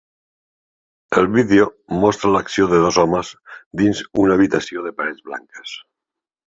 El vídeo mostra l'acció de dos homes dins una habitació de parets blanques.